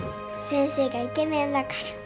先生がイケメンだから。